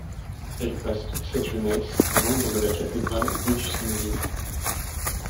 Elle passe toute sa jeunesse à l'ombre de la cathédrale, rue du Sanglier.